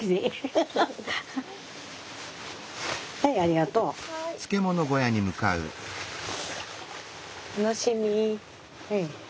はいありがとう。楽しみ。